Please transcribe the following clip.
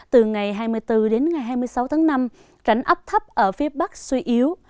từ ngày hai mươi bốn đến ngày hai mươi sáu tháng năm rãnh ấp thấp ở phía bắc suy yếu